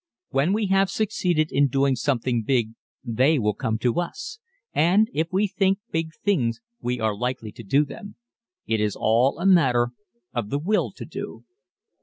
When we have succeeded in doing something big they will come to us and if we think big things we are likely to do them. It is all a matter of the will to do.